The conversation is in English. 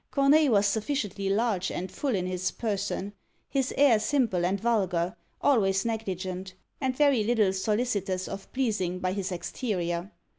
Corneille was sufficiently large and full in his person; his air simple and vulgar; always negligent; and very little solicitous of pleasing by his exterior.